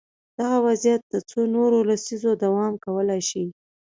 دغه وضعیت د څو نورو لسیزو دوام کولای شي.